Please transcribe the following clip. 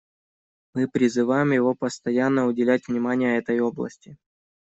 Мы призываем его постоянно уделять внимание этой области.